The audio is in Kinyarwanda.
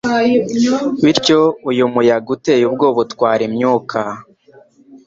bityo uyu muyaga uteye ubwoba utwara imyuka